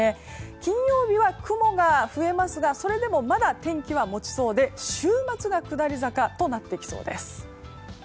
金曜日は雲が増えますがそれでもまだ天気は持ちそうで週末が下り坂となってきそうです。